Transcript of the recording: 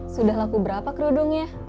sudah laku berapa kerudungnya